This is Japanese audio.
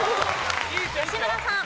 吉村さん。